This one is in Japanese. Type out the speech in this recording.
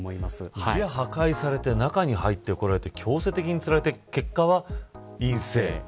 家、破壊されて中に入ってこられて強制的に連れていかれて結果は陰性。